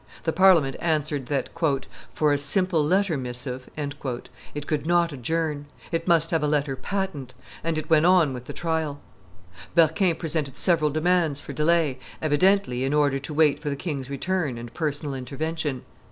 The Parliament answered that "for a simple letter missive" it could not adjourn; it must have a letter patent; and it went on with the trial. Berquin presented several demands for delay, evidently in order to wait for the king's return and personal intervention.